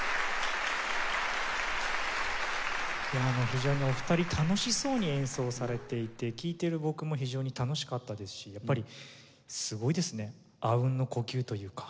非常にお二人楽しそうに演奏されていて聴いてる僕も非常に楽しかったですしやっぱりすごいですねあうんの呼吸というか。